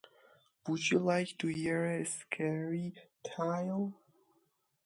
Would you like to hear a scary tale?